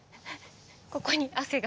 ここに汗が。